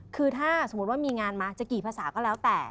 คือถ้าสมมุติว่ามีงานมาจะกี่ภาษาก็แล้วแต่